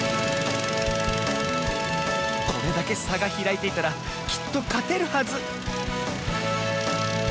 これだけさがひらいていたらきっとかてるはず